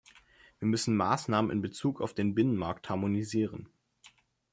Wir müssen Maßnahmen in Bezug auf den Binnenmarkt harmonisieren.